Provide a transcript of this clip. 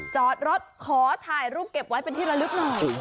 จอดรถขอถ่ายรูปเก็บไว้เป็นที่ละลึกหน่อย